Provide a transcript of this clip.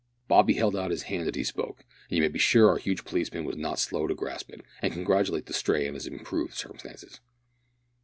Bobby held out his hand as he spoke, and you may be sure our huge policeman was not slow to grasp it, and congratulate the stray on his improved circumstances.